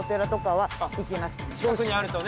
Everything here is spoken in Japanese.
近くにあるとね。